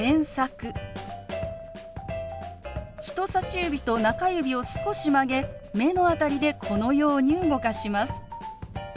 人さし指と中指を少し曲げ目の辺りでこのように動かします。